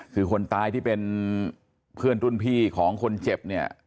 คือคนตายที่เป็นเพื่อนรุ่นพี่ของคนเจ็บเนี่ย